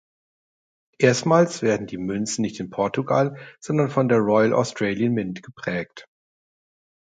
Erstmals werden die Münzen nicht in Portugal, sondern von der Royal Australian Mint geprägt.